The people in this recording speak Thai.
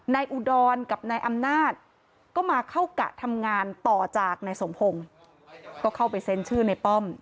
อุดรกับนายอำนาจก็มาเข้ากะทำงานต่อจากนายสมพงศ์ก็เข้าไปเซ็นชื่อในป้อม